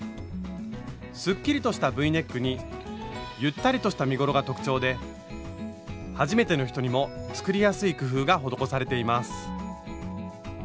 すっきりとしたＶネックにゆったりとした身ごろが特徴ではじめての人にも作りやすい工夫が施されています。